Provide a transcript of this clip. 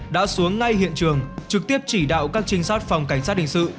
đã xuống ngay hiện trường trực tiếp chỉ đạo các trinh sát phòng cảnh sát hình sự